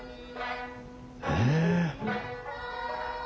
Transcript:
へえ。